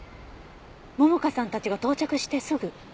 桃香さんたちが到着してすぐ？